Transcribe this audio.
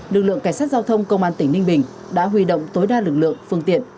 lực lượng cảnh sát giao thông công an tỉnh ninh bình đã huy động tối đa lực lượng phương tiện